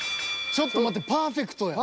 ［ちょっと待ってパーフェクトや］